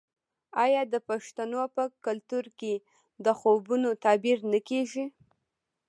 آیا د پښتنو په کلتور کې د خوبونو تعبیر نه کیږي؟